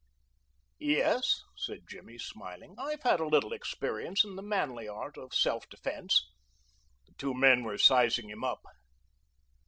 "Yes," said Jimmy, smiling, "I've had a little experience in the manly art of self defense." The two men were sizing him up.